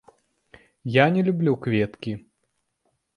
Я не люблю кветкі!